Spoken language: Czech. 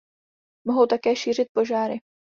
Mohou také šířit požáry.